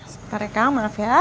sebentar ya kang maaf ya